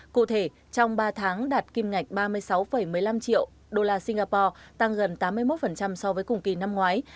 cụ thể trong ba tháng đạt kim ngạch ba mươi sáu một mươi năm triệu usd tăng gần tám mươi một so với cùng kỳ năm ngoái